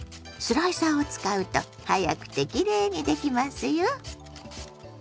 スライサーを使うと早くてきれいにできますよ。